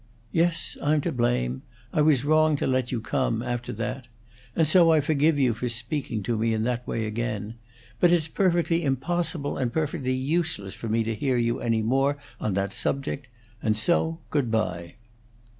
"Yes, I'm to blame. I was wrong to let you come after that. And so I forgive you for speaking to me in that way again. But it's perfectly impossible and perfectly useless for me to hear you any more on that subject; and so good bye!"